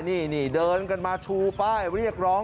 นี่เดินกันมาชูป้ายเรียกร้อง